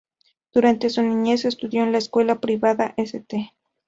Durante su niñez estudió en la escuela privada St.